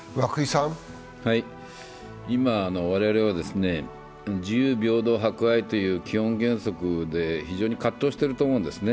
今、我々は自由、平等、博愛という基本原則で非常に葛藤していると思うんですね。